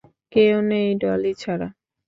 কেউ নেই ডলি ছাড়া।